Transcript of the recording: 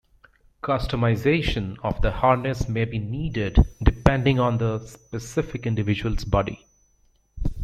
Customization of the harness may be needed depending on the specific individual's body.